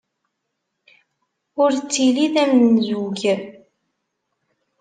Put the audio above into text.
Ur ttili d amenzug.